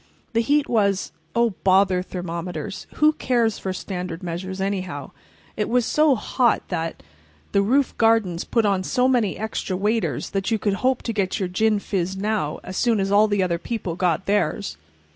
The heat was—oh, bother thermometers!—who cares for standard measures, anyhow? It was so hot that— The roof gardens put on so many extra waiters that you could hope to get your gin fizz now—as soon as all the other people got theirs.